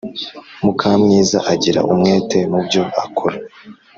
mukamwiza agira umwete mubyo akora